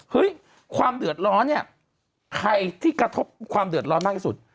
ความเดือดร้อนเนี่ยใครที่กระทบความเดือดร้อนมากที่สุด